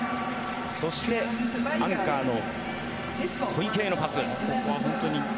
そしてアンカーの小池へのパス。